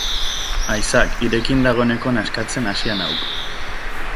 Aizak, hirekin dagoeneko nazkatzen hasia nauk.